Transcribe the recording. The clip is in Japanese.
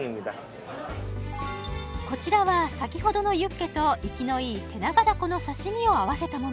こちらは先ほどのユッケと生きのいいテナガダコの刺身を合わせたもの